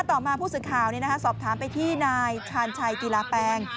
ต่อมาผู้สื่อข่าวสอบถามไปที่นายชาญชัยกีฬาแปลง